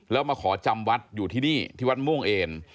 แล้วมาขอจำวัดอยู่ที่นี่ที่วัดม่วงเอน